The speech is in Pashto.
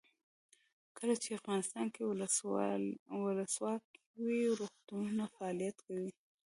کله چې افغانستان کې ولسواکي وي روغتونونه فعالیت کوي.